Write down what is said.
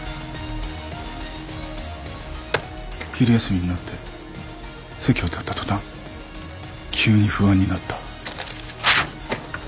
昼休みになって席を立った途端急に不安になった。